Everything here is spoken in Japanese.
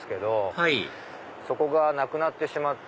はいそこがなくなってしまって。